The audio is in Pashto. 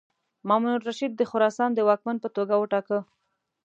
مامون الرشید د خراسان د واکمن په توګه وټاکه.